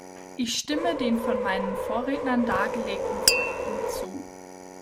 Ich stimme den von meinen Vorrednern dargelegten Fakten zu.